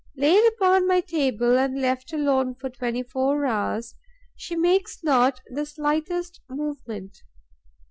Laid upon my table and left alone for twenty four hours, she makes not the slightest movement.